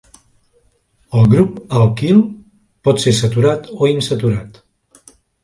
El grup alquil pot ser saturat o insaturat.